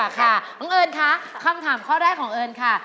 ค่ะน้องเอิญคะคำถามข้อแรกของเอิญค่ะ